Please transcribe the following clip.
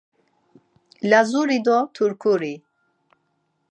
Lazuri do Turkuri?